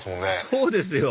そうですよ！